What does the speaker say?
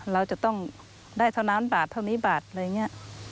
เราจะต้องได้เท่านั้นบาทเท่านี้บาทอะไรอย่างนี้